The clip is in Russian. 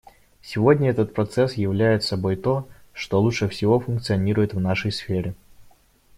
Сегодня этот процесс являет собой то, что лучше всего функционирует в нашей сфере.